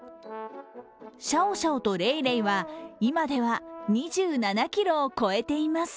シャオシャオとレイレイは今では２７ｋｇを超えています。